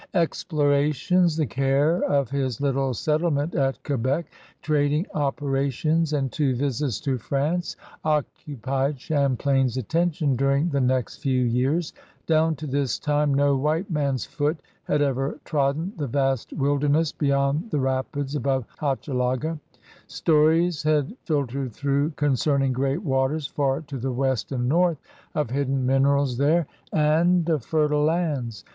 Explorations, the care of his little settlement at Quebec, trading operations, and two visits to France occupied Champlain's attention during the next few years. Down to this time no white man's foot had ever trodden the vast wilderness beyond the rapids above Hochelaga. Stories had filtered through concerning great waters far to the West and North, of hidden minerals there, and 44 CRUSADERS OF NEW FRANCE of fertile lands.